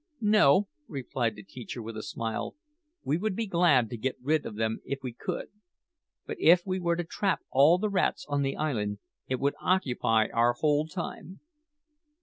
"No," replied the teacher with a smile. "We would be glad to get rid of them if we could; but if we were to trap all the rats on the island, it would occupy our whole time."